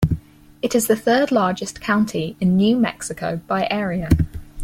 It is the third-largest county in New Mexico by area.